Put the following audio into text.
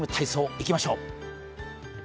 いきましょう。